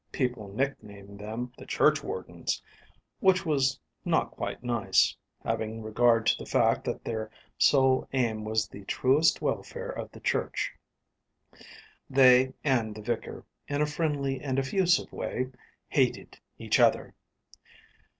People nicknamed them "the churchwardens," which was not quite nice, having regard to the fact that their sole aim was the truest welfare of the church. They and the vicar, in a friendly and effusive way, hated each other.